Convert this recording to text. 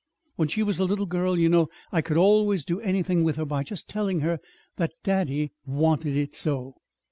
When she was a little girl, you know, I could always do anything with her by just telling her that daddy wanted it so."